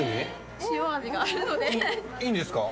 いいんですか？